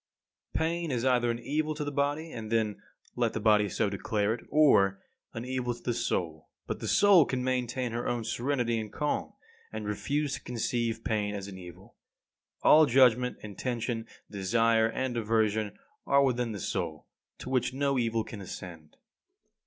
28. Pain is either an evil to the body; and then let the body so declare it; or an evil to the soul. But the soul can maintain her own serenity and calm; and refuse to conceive pain as an evil. All judgment, intention, desire and aversion are within the soul, to which no evil can ascend.